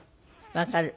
わかる。